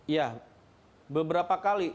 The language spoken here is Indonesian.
ya beberapa kali